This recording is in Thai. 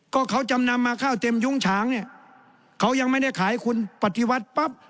ก็เขาจำนำมาข้าวเต็มยุ้งฉางเนี่ยเขายังไม่ได้ขายคุณปฏิวัติปั๊บ